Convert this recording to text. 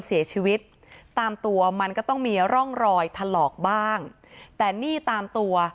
เสียชีวิตตามตัวมันก็ต้องมีร่องรอยถลอกบ้างแต่นี่ตามตัว